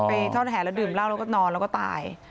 ทอดแห่แล้วดื่มเหล้าแล้วก็นอนแล้วก็ตาย